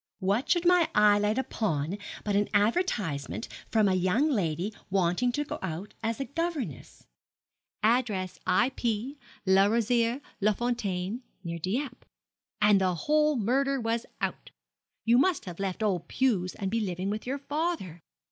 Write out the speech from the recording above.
What should my eye light upon but an advertisement from a young lady wanting to go out as a governess address I.P., Le Rosier, Les Fontaines, near Dieppe and the whole murder was out. You must have left old Pew's and be living with your father.